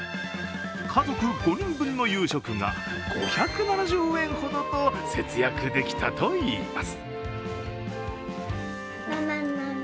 家族５人分の夕食が５７０円ほどと節約できたといいます。